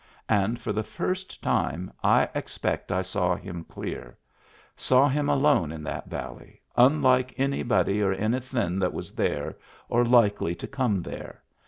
And for the first time I expect I saw him clear. Saw him alone in that valley, unlike anybody oranythin' that was there, or likely to come there.